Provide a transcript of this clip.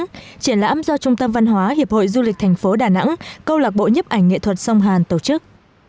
tổ chức triển lãm do trung tâm văn hóa hiệp hội du lịch thành phố đà nẵng câu lạc bộ nhấp ảnh nghệ thuật sông hàn tổ chức